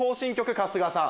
春日さん。